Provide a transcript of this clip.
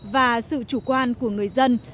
và sự chủ quan của người dân